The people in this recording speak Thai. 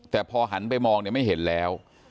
แต่พอหันไปมองเนี่ยไม่เห็นแล้ว